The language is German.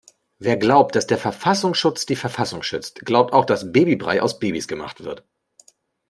Wer glaubt, dass der Verfassungsschutz die Verfassung schützt, glaubt auch dass Babybrei aus Babys gemacht wird.